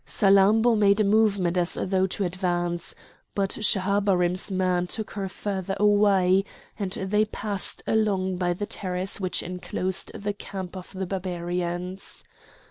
Salammbô made a movement as though to advance. But Schahabarim's man took her further away, and they passed along by the terrace which enclosed the camp of the Barbarians.